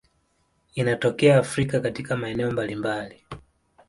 Inatokea Afrika katika maeneo mbalimbali.